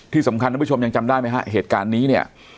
ที่สำคัญน้องผู้ชมยังจำได้ไหมครับเหตุการณ์นี้เนี่ย